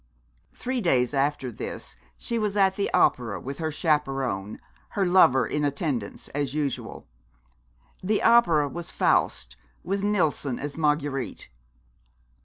Three days after this she was at the opera with her chaperon, her lover in attendance as usual. The opera was "Faust," with Nillson as Marguerite.